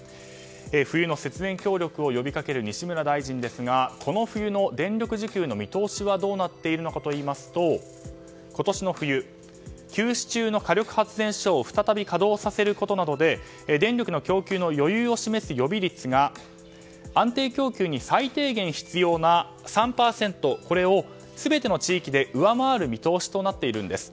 冬の節電協力を呼び掛ける西村大臣ですが今年の冬の電力供給の見込みはどうなっているかといいますと今年の冬、休止中の火力発電所を再び稼働させることなどで電力の供給の余裕を示す予備率が安定供給に最低限必要な３％を全ての地域で上回る見通しとなっているんです。